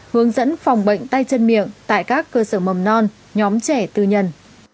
hướng dẫn phòng bệnh tay chân miệng tại các cơ sở mầm non nhóm trẻ tư nhân